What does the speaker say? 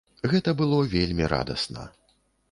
Гэта было вельмі радасна.